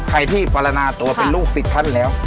ใครที่ปรณาตัวเป็นลูกศิษย์ท่านแล้ว